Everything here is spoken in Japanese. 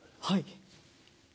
はい。